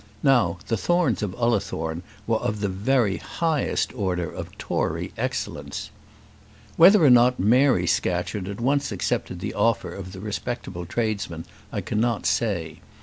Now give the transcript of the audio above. Now the Thornes of Ullathorne were of the very highest order of Tory excellence. Whether or not Mary Scatcherd at once accepted the offer of the respectable tradesman, I cannot say.